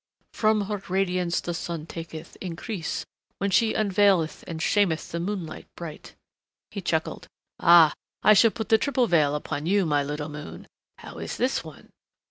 "From her radiance the sun taketh increase when She unveileth and shameth the moonlight bright." He chuckled.... "Ah, I shall put the triple veil upon you, my little moon.... How Is this one?